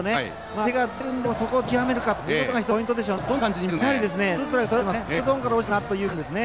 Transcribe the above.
手が出るんですけどそこをどう見極めるかということが一つのポイントでしょうね。